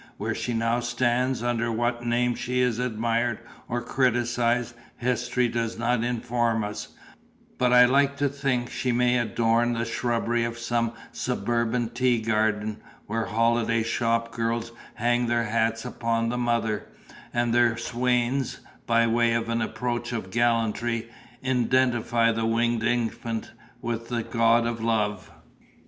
Where she now stands, under what name she is admired or criticised, history does not inform us; but I like to think she may adorn the shrubbery of some suburban tea garden, where holiday shop girls hang their hats upon the mother, and their swains (by way of an approach of gallantry) identify the winged infant with the god of love.